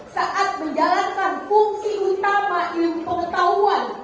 saat menjalankan fungsi utama ilmu pengetahuan